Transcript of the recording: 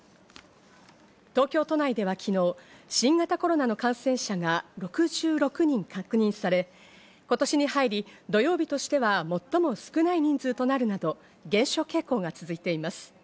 東京都内では昨日、新型コロナの感染者が６６人確認され、今年に入り、土曜日としては最も少ない人数となるなど減少傾向が続いています。